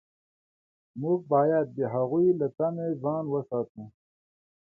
موږ باید د هغوی له طمع ځان وساتو.